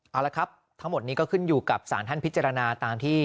เอาละครับทั้งหมดนี้ก็ขึ้นอยู่กับสารท่านพิจารณาตามที่